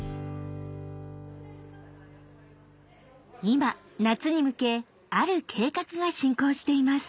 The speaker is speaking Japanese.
今夏に向けある計画が進行しています。